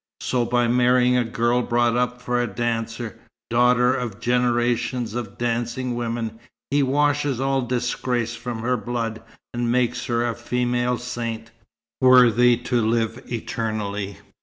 So by marrying a girl brought up for a dancer, daughter of generations of dancing women, he washes all disgrace from her blood, and makes her a female saint, worthy to live eternally.